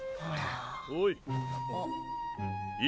おい。